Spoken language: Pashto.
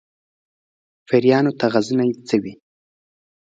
پیریانو ته غزني څه وي افسانوي شالید لري